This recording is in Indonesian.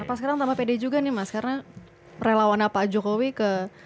apa sekarang tambah pede juga nih mas karena relawannya pak jokowi ke